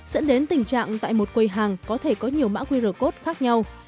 dẫn đến tình trạng tại một quầy hàng có thể có nhiều mã qr code khác nhau